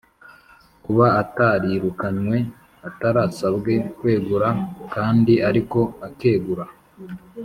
kuba atarirukanywe, atarasabwe kwegura kandi ariko akegura,